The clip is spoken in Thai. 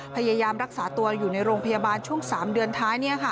พยายามรักษาตัวอยู่ในโรงพยาบาลช่วง๓เดือนท้าย